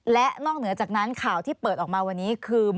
และนอกเหนือจากนั้นข่าวที่เปิดออกมาวันนี้คือ